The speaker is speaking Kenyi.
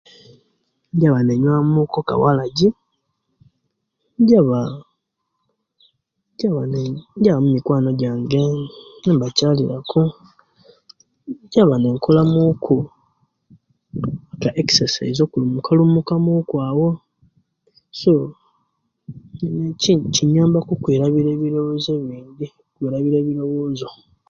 Njaba nenyuwa muku aka owaraji njaba njaba ne njaba mumikwano jjange ne'mbachalira ku njaba nenkolamuku ka exercise okulumuka lumuka muku awo so ni chi chinyamba ku kwerabira ebirobozo bingi okwelabira ebirobozo